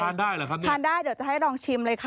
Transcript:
ได้เหรอครับทานได้เดี๋ยวจะให้ลองชิมเลยค่ะ